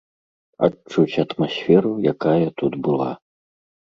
Адчуць атмасферу, якая тут была.